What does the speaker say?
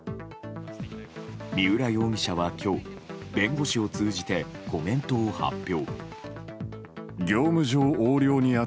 三浦容疑者は今弁護士を通じてコメントを発表。